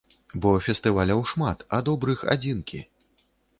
Бо фестываляў шмат, а добрых адзінкі.